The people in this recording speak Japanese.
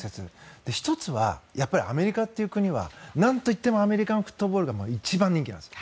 １つはやっぱりアメリカという国は何といってもアメリカンフットボールが一番人気です。